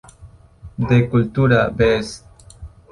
De Cultura, Bs.